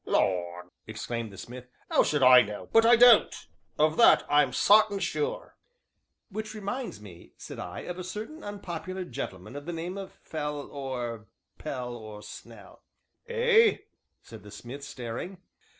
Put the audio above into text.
"Lord!" exclaimed the smith, "'ow should I know but I don't of that I'm sartin sure." "Which reminds me," said I, "of a certain unpopular gentleman of the name of Fell, or Pell, or Snell." "Eh?" said the smith, staring.